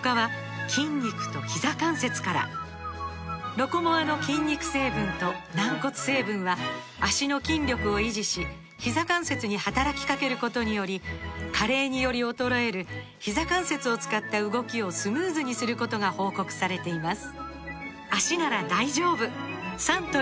「ロコモア」の筋肉成分と軟骨成分は脚の筋力を維持しひざ関節に働きかけることにより加齢により衰えるひざ関節を使った動きをスムーズにすることが報告されています